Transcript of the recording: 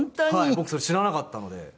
僕それ知らなかったので。